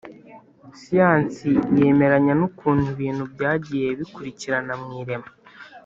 Siyansi yemeranya n ukuntu ibintu byagiye bikurikirana mu irema